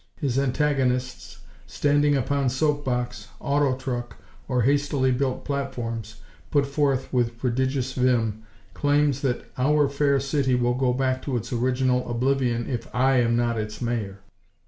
His antagonists, standing upon soap box, auto truck, or hastily built platforms, put forth, with prodigious vim, claims that "our fair city will go back to its original oblivion if I am not its Mayor!"